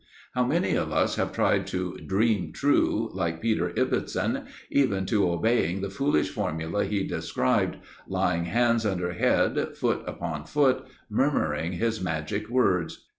How many of us have tried to "dream true," like Peter Ibbetson, even to obeying the foolish formula he described, lying, hands under head, foot upon foot, murmuring his magic words?